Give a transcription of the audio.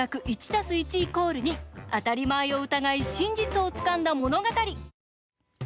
当たり前を疑い真実をつかんだ物語。